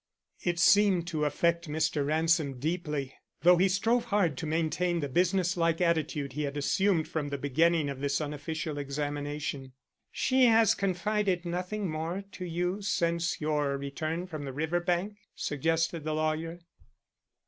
It seemed to affect Mr. Ransom deeply, though he strove hard to maintain the business like attitude he had assumed from the beginning of this unofficial examination. "She has confided nothing more to you since your return from the river bank?" suggested the lawyer.